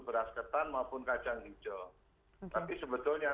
beras ketan maupun kacang hijau tapi sebetulnya